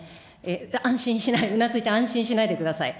安心、うなずいて安心しないでください。